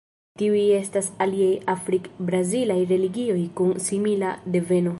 Tiuj estas aliaj afrik-brazilaj religioj kun simila deveno.